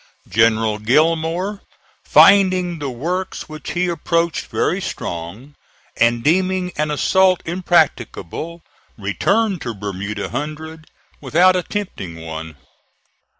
General Gillmore, finding the works which he approached very strong, and deeming an assault impracticable, returned to Bermuda Hundred without attempting one.